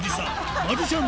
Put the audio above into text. マジシャン